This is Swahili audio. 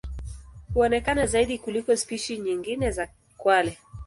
Huonekana zaidi kuliko spishi nyingine za kwale.